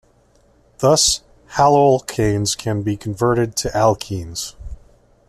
Thus, haloalkanes can be converted to alkenes.